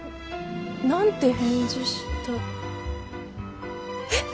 何て返事したえっ！？